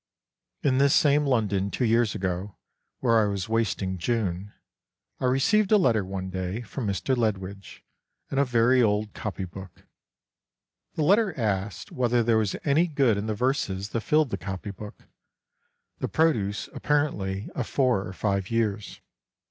In this same London, two years ago, where I was wasting June, L received a letter one day from Mr. Ledwidge and a very old copy book. The letter asked whether there was any good in the verses that filled the copy book, the produce apparently of four or five years.